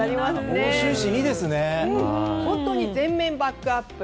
本当に全面バックアップ。